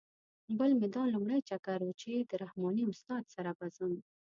بل مې دا لومړی چکر و چې د رحماني استاد سره به ځم.